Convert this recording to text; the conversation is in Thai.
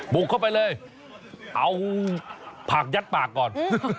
บุกเข้าไปเลยเอาผักยัดปากก่อน